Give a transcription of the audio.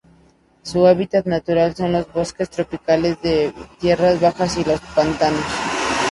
Su hábitat natural son los bosques tropicales de tierras bajas y los pantanos.